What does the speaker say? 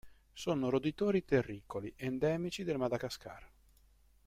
Sono roditori terricoli endemici del Madagascar.